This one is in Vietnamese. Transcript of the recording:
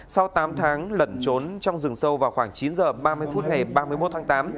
sau tám tháng lẩn trốn trong rừng sâu vào khoảng chín h ba mươi phút ngày ba mươi một tháng tám